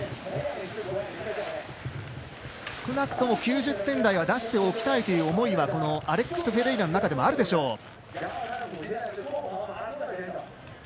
少なくとも９０点台は出しておきたいという思いはアレックス・フェレイラの中でもあるでしょう。